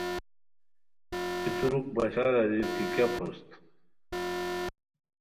ای ترک بشار اریر کی کیہ پھوست